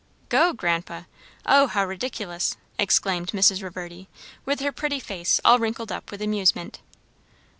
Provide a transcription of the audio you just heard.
"Go, grandpa? O, how ridiculous!" exclaimed Mrs. Reverdy, with her pretty face all wrinkled up with amusement.